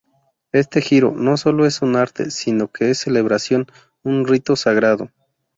Este giro, no solo es un arte, sino que es celebración, un rito sagrado.